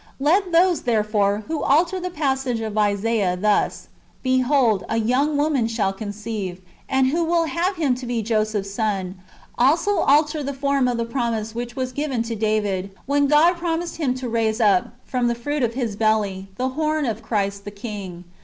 Let those, therefore, who alter the passage of Isaiah thus, " Behold, a young w^oman shall con ceive," and who will have Him to be Joseph's son, also alter the form of the promise which was given to David, when God promised him to raise up, from the fruit of his belly, the horn of Christ the King.